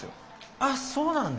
あっそうなんだ。